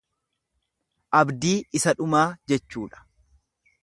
Abdii isa dhumaa jechuudha.